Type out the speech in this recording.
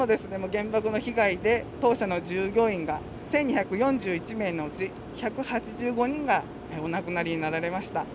原爆の被害で当社の従業員が１，２４１名のうち１８５人がお亡くなりになられました。